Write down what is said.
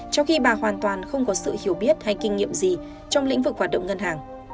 trong khi bà hoàn toàn không có sự hiểu biết hay kinh nghiệm gì trong lĩnh vực hoạt động ngân hàng